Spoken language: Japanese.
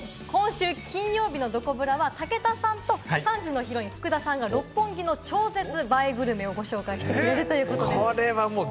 そして次回の今週金曜日のどこブラは武田さんと３時のヒロイン・福田さんが六本木の超絶映えグルメをご紹介してくれるということで。